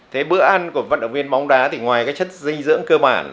thế bữa ăn của vận động viên bóng đá thì ngoài cái chất dinh dưỡng cơ bản